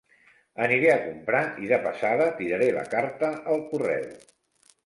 Aniré a comprar i de passada tiraré la carta al correu.